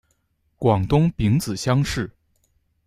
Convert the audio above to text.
广东丙子乡试。